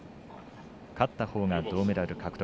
勝ったほうが銅メダル獲得。